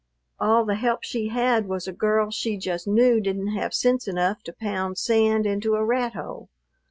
All the help she had was a girl she just knew didn't have sense enough to pound sand into a rat hole.